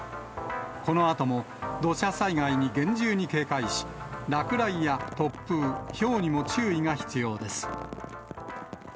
このあとも土砂災害に厳重に警戒し、落雷や突風、ひょうにも注意が必要です。